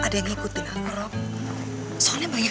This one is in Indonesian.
kalau gitu robi pergi ya